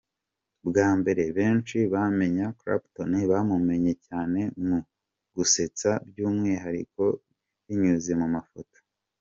Bwa mbere benshi bamenya Clapton bamumenyeye cyane mu gusetsa by’umwihariko binyuze mu mafoto.